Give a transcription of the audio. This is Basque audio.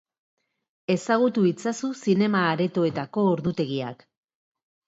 Ezagutu itzazu zinema-aretoetako ordutegiak.